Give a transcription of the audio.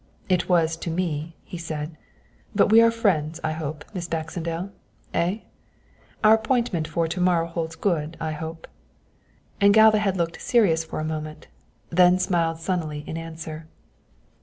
"It was to me," he said; "but we are friends, I hope, Miss Baxendale, eh? Our appointment for to morrow holds good, I hope?" And Galva had looked serious for a moment, then smiled sunnily in answer.